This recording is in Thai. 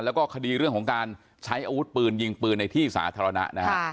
แล้วก็คดีเรื่องของการใช้อาวุธปืนยิงปืนในที่สาธารณะนะฮะ